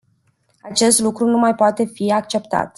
Acest nu lucru nu mai poate fi acceptat.